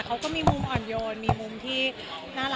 เขาก็มีมุมอ่อนโยนมีมุมที่น่ารัก